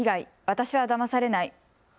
私はだまされない。